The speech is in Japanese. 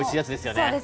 そうですね。